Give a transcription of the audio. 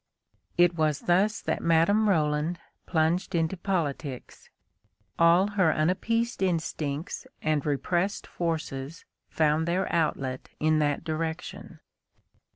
It was thus that Madame Roland plunged into politics. All her unappeased instincts and repressed forces found their outlet in that direction.